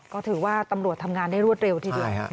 ก็ถือว่าตำรวจทำงานได้รวดเร็วทีเดียว